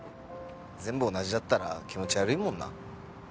全部同じだったら気持ち悪いもんな。